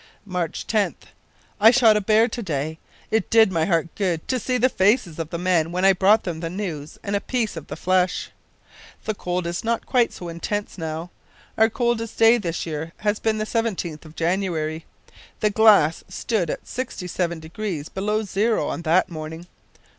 "March 10th. I shot a bear to day. It did my heart good to see the faces of the men when I brought them the news and a piece of the flesh! The cold is not quite so intense now. Our coldest day this year has been the 17th of January. The glass stood at 67 degrees below zero on that morning.